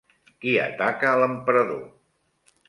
Qui ataca a l'emperador?